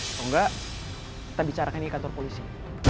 atau enggak kita bicarakan di kantor polisi